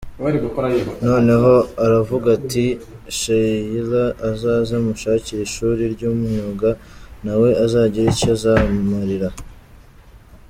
Noneho aravuga ati : Sheila azaze mushakire ishuri ry’imyuga, na we azagire icyo azimarira.